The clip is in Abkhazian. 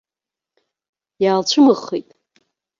Иаалцәымыӷхеит.